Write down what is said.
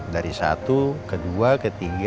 dari satu ke dua ke tiga